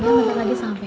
sebentar lagi sampai